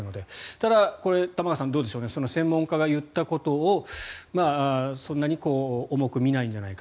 ただ、玉川さん専門家が言ったことをそんなに重く見ないんじゃないか。